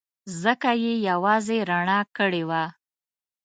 ځمکه یې یوازې رڼا کړې وه.